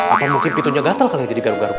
apa mungkin pintunya gatel kali jadi garuk garuk